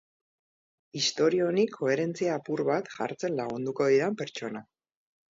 Istorio honi koherentzia apur bat jartzen lagunduko didan pertsona.